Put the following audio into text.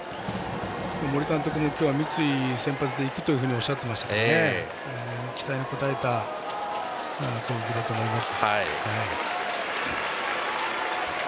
森監督は三井先発でいくというふうにおっしゃっていますから期待に応えた攻撃だと思います。